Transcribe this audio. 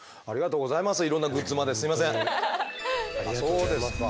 そうですか。